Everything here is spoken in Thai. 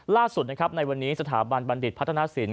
ล่าสุดนะครับในวันนี้สถาบันบัณฑิตพัฒนศิลป